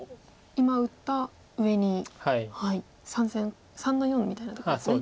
今打った上に３線３の四みたいなとこですね。